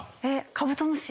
『カブトムシ』。